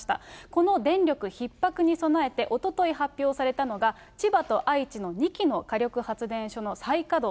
この電力ひっ迫に備えて、おととい発表されたのが、千葉と愛知の２基の火力発電所の再稼働。